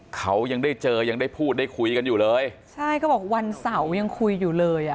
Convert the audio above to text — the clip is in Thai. เขายังได้เจอยังได้พูดได้คุยกันอยู่เลยใช่เขาบอกวันเสาร์ยังคุยอยู่เลยอ่ะ